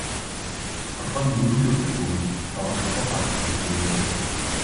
Толгой нь үл өвдөх бөгөөд доголохоо бараг больжээ.